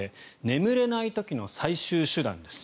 眠れない時の最終手段です。